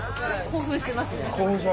興奮してますか。